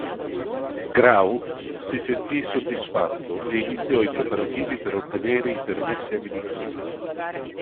Grau si sentì soddisfatto e iniziò i preparativi per ottenere i permessi amministrativi.